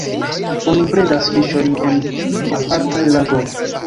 Oni bredas fiŝojn en apartaj lagoj.